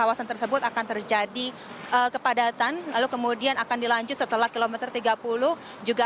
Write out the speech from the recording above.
kawasan tersebut akan terjadi kepadatan lalu kemudian akan dilanjut setelah kilometer tiga puluh juga